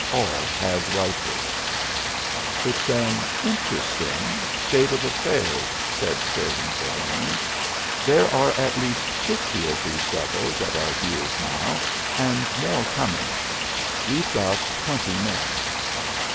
All had rifles. "It's an interesting state of affairs," said Stirling to Haines. "There are at least fifty of these devils at our heels now, and more coming. We've got twenty men.